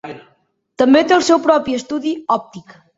També té el seu propi estudi òptic.